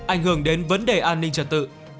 ảnh hưởng đến vấn đề an ninh trật tự